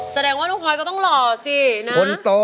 แสดงว่าลูกพลอยก็ต้องหล่อสินะคนโต